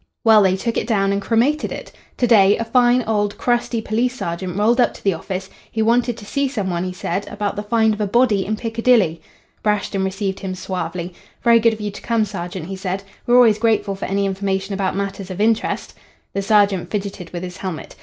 "Well, they took it down and cremated it. To day, a fine, old, crusty police sergeant rolled up to the office. He wanted to see some one, he said, about the find of a body in Piccadilly. "Brashton received him suavely. 'Very good of you to come, sergeant,' he said. 'We're always grateful for any information about matters of interest.' "The sergeant fidgeted with his helmet.